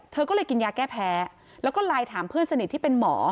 เธอก็เลยกินยาแก้แพ้แล้วก็ไลน์ถามเพื่อนสนิทที่เป็นหมอ